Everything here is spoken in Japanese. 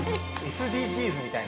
ＳＤＧｓみたいな。